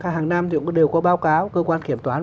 hàng năm thì cũng đều có báo cáo cơ quan kiểm toán